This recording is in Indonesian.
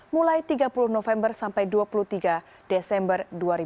mulai tiga puluh november sampai dua puluh tiga desember dua ribu dua puluh